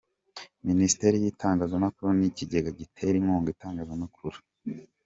Minisiteri y’itangazamakuru n’ikigega gitera inkunga itangazamakuru